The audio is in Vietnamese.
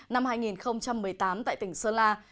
năm hai nghìn một mươi tám tại tỉnh sơn la